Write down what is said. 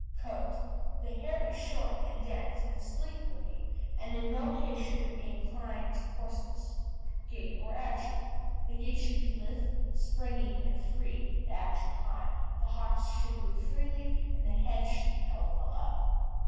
COAT The hair is short and dense, and sleek looking, and in no case should it incline to coarseness. GAIT OR ACTION The gait should be lithe, springy, and free, the action high. The hocks should move very freely, and the head should be held well up.